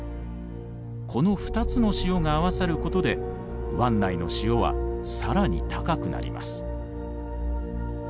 この２つの潮が合わさることで湾内の潮はさらに高くなります。